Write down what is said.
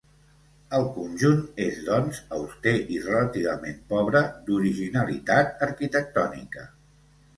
El conjunt és, doncs, auster i relativament pobre d'originalitat arquitectònica.